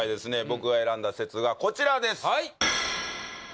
僕が選んだ説がこちらです